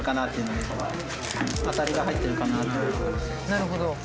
なるほど。